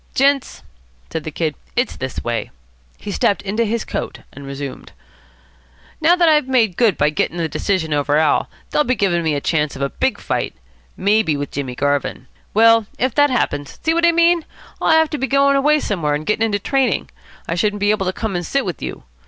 "Gents," said the Kid, "it's this way." He stepped into his coat, and resumed. "Now that I've made good by getting the decision over Al., they'll be giving me a chance of a big fight. Maybe with Jimmy Garvin. Well, if that happens, see what I mean? I'll have to be going away somewhere and getting into training. I shouldn't be able to come and sit with you.